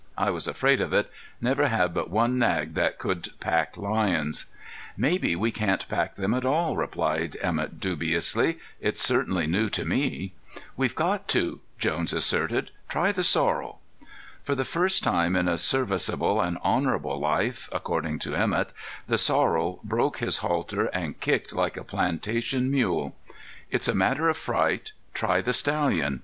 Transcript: "I was afraid of it; never had but one nag that would pack lions." "Maybe we can't pack them at all," replied Emett dubiously. "It's certainly new to me." "We've got to," Jones asserted; "try the sorrel." For the first time in a serviceable and honorable life, according to Emett, the sorrel broke his halter and kicked like a plantation mule. "It's a matter of fright. Try the stallion.